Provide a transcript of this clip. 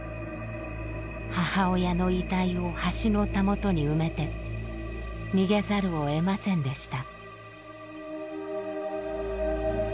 母親の遺体を橋のたもとに埋めて逃げざるをえませんでした。